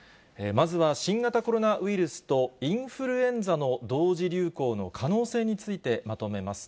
まずは新型コロナウイルスとインフルエンザの同時流行の可能性についてまとめます。